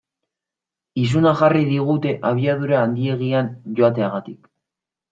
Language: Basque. Izuna jarri digute abiadura handiegian joateagatik.